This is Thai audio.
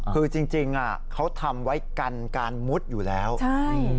คือจริงจริงอ่ะเขาทำไว้กันการมุดอยู่แล้วใช่